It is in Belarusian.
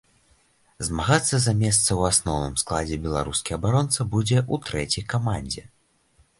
Змагацца за месца ў асноўным складзе беларускі абаронца будзе ў трэцяй камандзе.